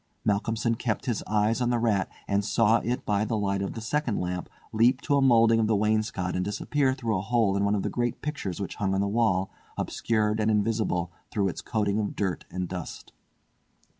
Malcolmson kept his eyes on the rat, and saw it by the light of the second lamp leap to a moulding of the wainscot and disappear through a hole in one of the great pictures which hung on the wall, obscured and invisible through its coating of dirt and dust.